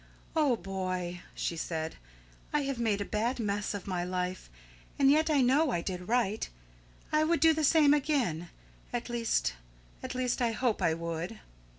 "Oh, boy," she said. "I have made a bad mess of my life! And yet I know I did right. I would do the same again; at least at least, I hope I would."